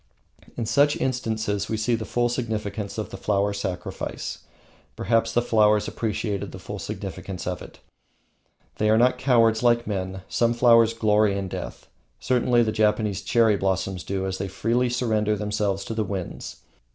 In such instances we see the full significance of the Flower Sacrifice. Perhaps the flowers appreciate the full significance of it. They are not cowards, like men. Some flowers glory in death certainly the Japanese cherry blossoms do, as they freely surrender themselves to the winds.